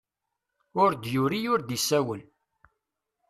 Ur d-yuri ur d-isawel.